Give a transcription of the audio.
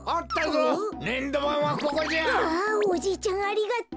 あおじいちゃんありがとう。